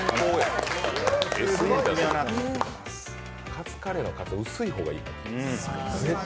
カツカレーのカツ、薄い方がいい。